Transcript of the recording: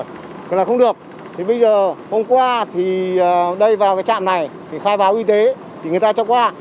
thì là không được thì bây giờ hôm qua thì đây vào cái trạm này thì khai báo y tế thì người ta cho qua